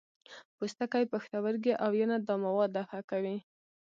پوستکی، پښتورګي او ینه دا مواد دفع کوي.